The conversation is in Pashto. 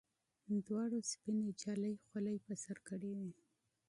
دواړو سپینې جالۍ خولۍ پر سر کړې وې.